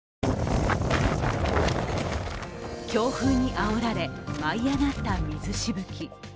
強風にあおられ、舞い上がった水しぶき。